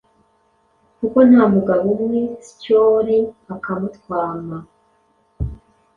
kuko nta mugabo umwe, Syoli akamutwama,